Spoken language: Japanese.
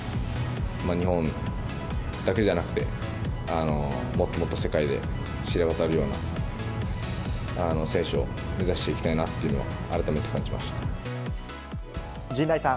日本だけじゃなくて、もっともっと世界で知れ渡るような選手を目指していきたいなって陣内さん。